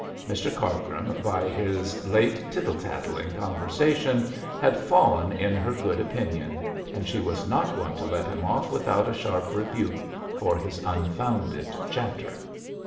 Mr Cargrim, by his late tittle tattling conversation, had fallen in her good opinion; and she was not going to let him off without a sharp rebuke for his unfounded chatter.